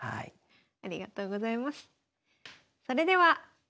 ありがとうございます。